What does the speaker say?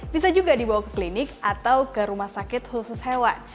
bisa juga dibawa ke klinik atau ke rumah sakit khusus hewan